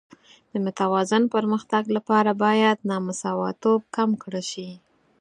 د متوازن پرمختګ لپاره باید نامساواتوب کم کړل شي.